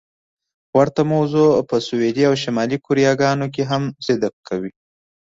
ورته موضوع په سویلي او شمالي کوریاګانو کې هم صدق کوي.